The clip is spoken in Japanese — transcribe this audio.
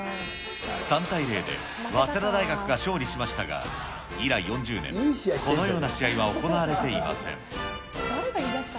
３対０で早稲田大学が勝利しましたが、以来４０年、このような試合は行われていません。